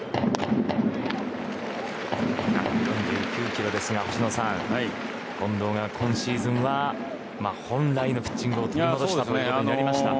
１４９キロですが近藤が今シーズンは本来のピッチングを取り戻したということなりました。